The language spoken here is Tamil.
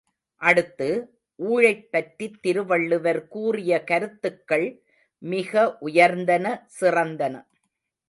அடுத்து, ஊழைப் பற்றித் திருவள்ளுவர் கூறிய கருத்துக்கள் மிக உயர்ந்தன சிறந்தன.